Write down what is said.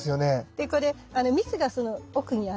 でこれ蜜がその奥にあるのね。